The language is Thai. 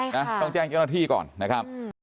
ต้องแจ้งเจ้าหน้าที่ก่อนนะครับ